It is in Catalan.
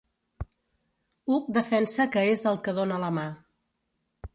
Uc defensa que és al que dóna la mà.